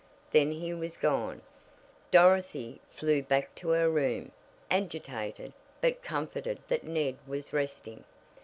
Then he was gone. Dorothy flew back to her room, agitated, but comforted that Ned was resting.